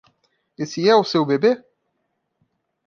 Esse é o seu bebê?